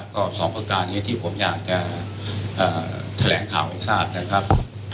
ก็สองประการนี้ที่ผมอยากจะแถลงข่าวให้ทราบนะครับ